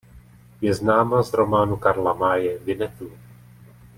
Je známá z románu Karla Maye "Vinnetou".